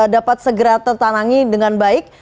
dapat segera tertanangi dengan baik